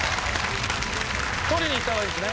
取りに行った方がいいですね。